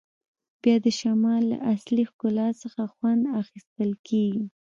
بیا د شمال له اصلي ښکلا څخه خوند اخیستل کیږي